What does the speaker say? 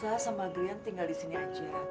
eh biarlah nisa sama grian tinggal disini aja